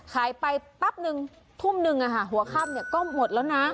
ขายไปแป๊บนึงทุ่มหนึ่งหัวค่ำก็หมดแล้วนะ